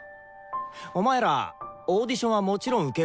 お前らオーディションはもちろん受けるだろ？